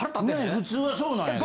ねえ普通はそうなんや。